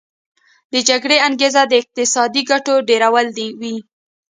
د جګړې انګیزه د اقتصادي ګټو ډیرول وي